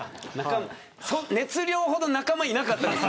熱量ほど仲間がいなかったです。